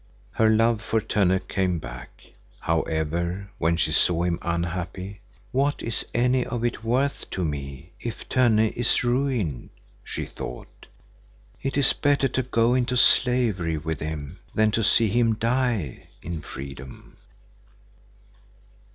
Her love for Tönne came back, however, when she saw him unhappy. "What is any of it worth to me if Tönne is ruined?" she thought. "It is better to go into slavery with him than to see him die in freedom."